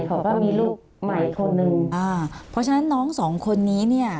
เขาก็มีลูกใหม่คนหนึ่งอ่าเพราะฉะนั้นน้องสองคนนี้เนี่ย